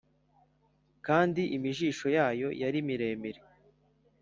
Kandi imijisho yayo yari miremire